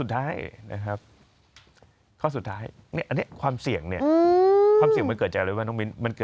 ที่เขาเรียกว่าสอดช้อนซื้อ